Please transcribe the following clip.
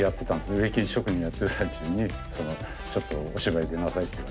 植木職人をやってる最中にちょっとお芝居出なさいって言われて。